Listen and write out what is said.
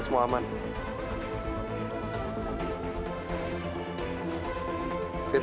sama sama dengan pak ferry